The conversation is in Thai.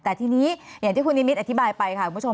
แต่ทีนี้อย่างที่คุณนิมิตอธิบายไปค่ะคุณผู้ชม